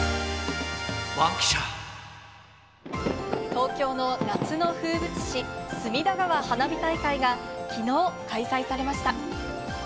東京の夏の風物詩、隅田川花火大会がきのう開催されました。